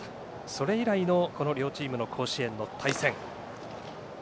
それ以来のこの両チームの甲子園での対戦。